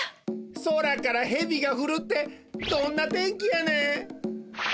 空からヘビがふるってどんな天気やねん！